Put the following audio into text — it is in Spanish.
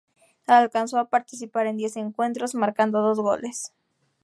Alcanzó a participar en diez encuentros marcando dos goles.